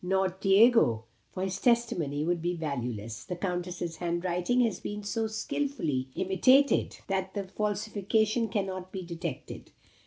Not Diego; for his testimony would be valueless. The Countess's hand writing has been so skilfully imitated, that the falsification cannot be detected.